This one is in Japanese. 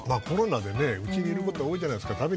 コロナでうちにいることが多いじゃないですか。